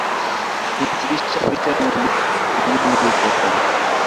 তিনি চিকিৎসা পেশায় মনোনিবেশ ঘটান।